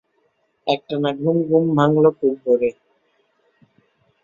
একটানা ঘুম ঘুম ভাঙল খুব ভোরে।